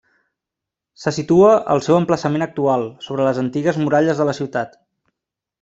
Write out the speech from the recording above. Se situa al seu emplaçament actual, sobre les antigues muralles de la ciutat.